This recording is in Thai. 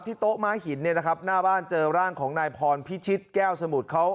โต๊ะม้าหินเนี่ยนะครับหน้าบ้านเจอร่างของนายพรพิชิตแก้วสมุทรเขา